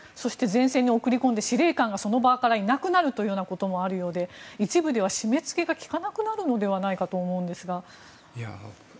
前線に送り込んで司令官がその場からいなくなるというようなこともあるようで一部では締め付けが利かなくなるのではと思うんですが。